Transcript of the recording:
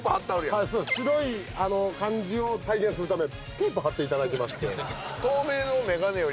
白い感じを再現するためテープ貼っていただきまして。